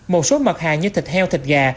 một số mặt hàng như thịt heo thịt gà